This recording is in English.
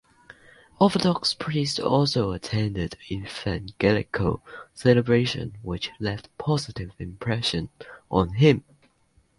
Orthodox priest also attended Evangelical celebration which left positive impression on him.